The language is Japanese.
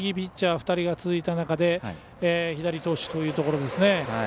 ２人が続いた中で左投手というところですね。